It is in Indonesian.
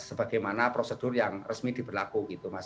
sebagaimana prosedur yang resmi diberlaku gitu mas